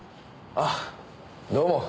あっどうも。